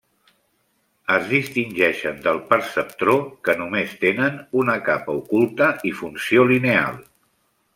Es distingeixen del perceptró que només tenen una capa oculta i funció lineal.